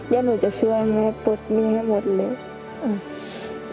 แย่หนูจะช่วยแม่ปุ๊ดเมียให้หมดเลย